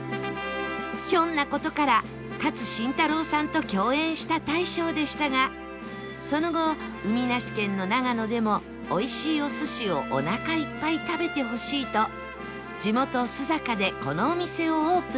ひょんな事から勝新太郎さんと共演した大将でしたがその後海なし県の長野でもおいしいお寿司をおなかいっぱい食べてほしいと地元須坂でこのお店をオープン